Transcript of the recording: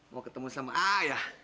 mau ketemu sama ayah